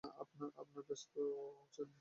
আপনারা ব্যস্ত হচ্ছেন দেখছি।